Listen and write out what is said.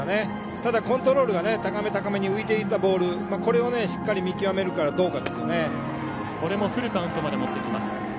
ただ、コントロールが高めに浮いていったボールをしっかり見極めるかどうかです。